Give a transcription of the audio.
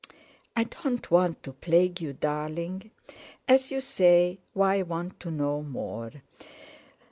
"I don't want to plague you, darling. As you say, why want to know more?